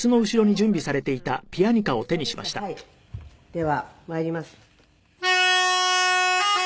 ではまいります。